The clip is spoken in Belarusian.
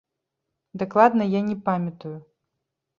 Дакладна я не памятаю.